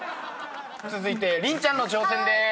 続いて麟ちゃんの挑戦です。